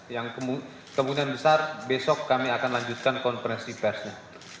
yang kemungkinan besar besok kami akan lanjutkan konferensi persnya